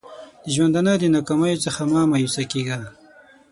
د ژوندانه د ناکامیو څخه مه مایوسه کېږه!